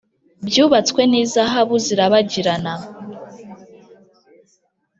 byubatwse n'izahabu zirabagirana.